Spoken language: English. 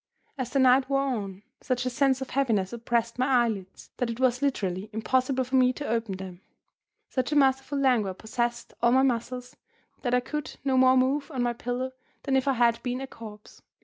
As the night wore on, such a sense of heaviness oppressed my eyelids that it was literally impossible for me to open them such a masterful languor possessed all my muscles that I could no more move on my pillow than if I had been a corpse.